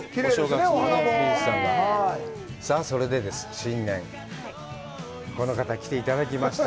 さあそれでです、新年、この方に来ていただきました。